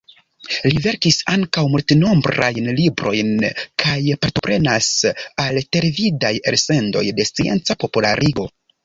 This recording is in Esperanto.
Li verkis ankaŭ multenombrajn librojn kaj partoprenas al televidaj elsendoj de scienca popularigo.